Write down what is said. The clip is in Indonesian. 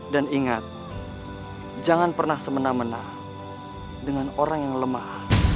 ingat jangan pernah semena mena dengan orang yang lemah